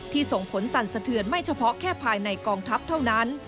ส่งผลสั่นสะเทือนไม่เฉพาะแค่ภายในกองทัพเท่านั้น